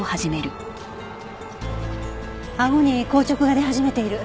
あごに硬直が出始めている。